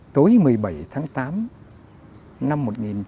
tối một mươi bảy tháng tám năm một nghìn chín trăm sáu mươi chín